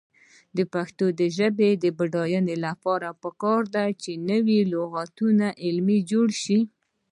د پښتو ژبې د بډاینې لپاره پکار ده چې نوي لغتونه علمي جوړ شي.